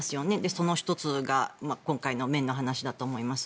その１つが今回の綿の話だと思います。